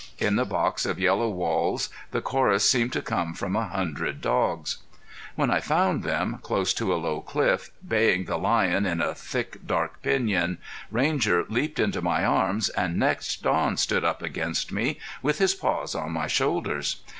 In the box of yellow walls the chorus seemed to come from a hundred dogs. When I found them, close to a low cliff, baying the lion in a thick, dark piñon, Ranger leaped into my arms and next Don stood up against me with his paws on my shoulders.